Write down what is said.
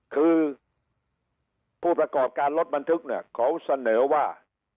คือผู้ประกอบการรถบรรทุกเนี่ยเขาเสนอว่า